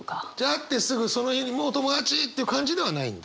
会ってすぐその日にもう友達！っていう感じではないんだ？